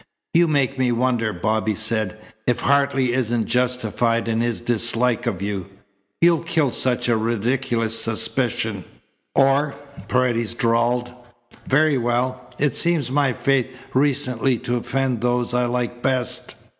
"You make me wonder," Bobby said, "if Hartley isn't justified in his dislike of you. You'll kill such a ridiculous suspicion." "Or?" Paredes drawled. "Very well. It seems my fate recently to offend those I like best.